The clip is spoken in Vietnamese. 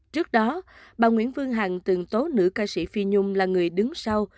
trước đó bà nguyễn vương hằng từng tố nữ ca sĩ phi nhung là người đứng sau